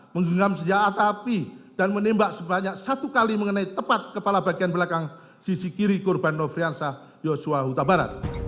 menggelam senja atapi dan menembak sebanyak satu kali mengenai tepat kepala bagian belakang sisi kiri korban lofriansah yosua utabarat